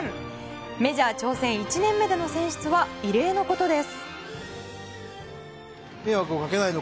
メジャー挑戦１年目での選出は異例のことです。